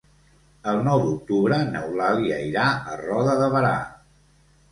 El nou d'octubre n'Eulàlia irà a Roda de Berà.